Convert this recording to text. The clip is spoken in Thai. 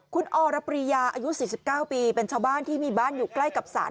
คุณอรปริยาอายุ๔๙ปีเป็นชาวบ้านที่มีบ้านอยู่ใกล้กับศาล